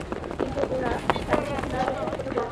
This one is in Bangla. কিন্তু ওরা তাদের সাথে বিশ্বাসঘাতকতা করেছিল।